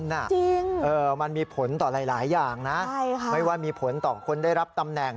จริงมันมีผลต่อหลายอย่างนะไม่ว่ามีผลต่อคนได้รับตำแหน่ง